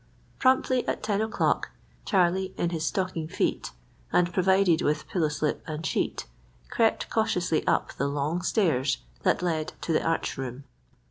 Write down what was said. Promptly at ten o'clock, Charlie, in his stocking feet, and provided with pillow slip and sheet, crept cautiously up the long stairs that led to the arch room.